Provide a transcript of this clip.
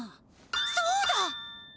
そうだ！